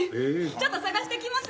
ちょっと捜してきます。